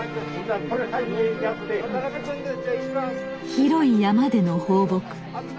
広い山での放牧。